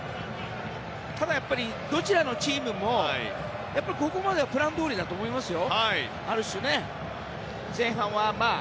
ただ、どちらのチームもここまでは、ある種プランどおりだと思いますよ。